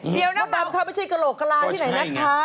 เมื่อตามคำว่าจะเกโรคราท์ค่ะ